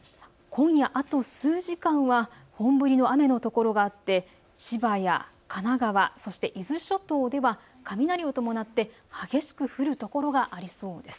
今夜あと数時間は本降りの雨の所があって千葉や神奈川、そして伊豆諸島では雷を伴って激しく降る所がありそうです。